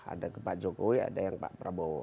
ada ke pak jokowi ada yang pak prabowo